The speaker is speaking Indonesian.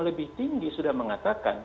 lebih tinggi sudah mengatakan